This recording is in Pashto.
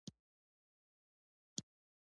ایا ستاسو غږ اوریدل کیږي؟